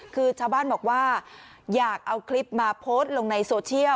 คือชาวบ้านบอกว่าอยากเอาคลิปมาโพสต์ลงในโซเชียล